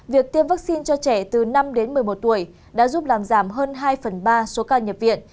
việc tiêm vaccine cho trẻ từ năm đến một mươi một tuổi đã giúp làm giảm hơn hai phần ba số ca nhập viện